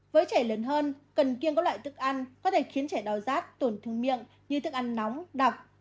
với trẻ lớn hơn cần kiêng các loại thức ăn có thể khiến trẻ đau rát tổn thương miệng như thức ăn nóng đọc